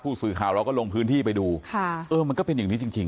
สื่อข่าวเราก็ลงพื้นที่ไปดูค่ะเออมันก็เป็นอย่างนี้จริงจริง